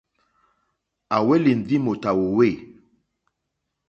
À hwélì ndí mòtà wòòwê.